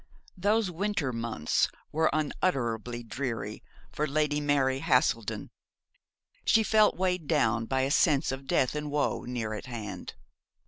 Those winter months were unutterably dreary for Lady Mary Haselden. She felt weighed down by a sense of death and woe near at hand.